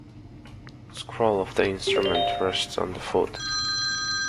The scroll of the instrument rests on the foot.